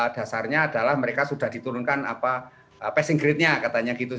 dasarnya adalah mereka sudah diturunkan apa passing grade nya katanya gitu